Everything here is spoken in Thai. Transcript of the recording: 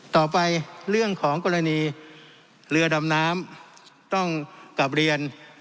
ต่อไปเรื่องของกรณีเรือดำน้ำต้องกลับเรียน